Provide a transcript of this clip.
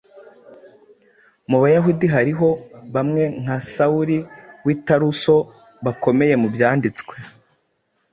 Mu Bayahudi hariho bamwe nka Sawuli w’i Taruso bakomeye mu byanditswe,